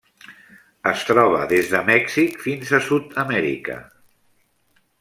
Es troba des de Mèxic fins a Sud-amèrica.